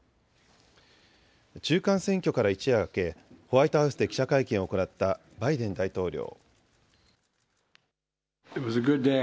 中間選挙から一夜明け、ホワイトハウスで記者会見を行ったバイデン大統領。